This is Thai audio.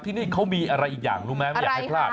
ที่นี่เขามีอะไรอีกอย่างรู้ไหมไม่อยากให้พลาด